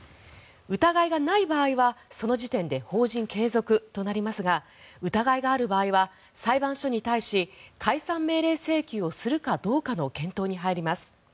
疑いがない場合はその時点で法人継続となりますが疑いがある場合は、裁判所に対し解散命令請求をするかどうかの検討に入ります。